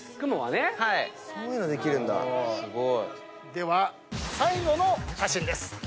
では最後の写真です。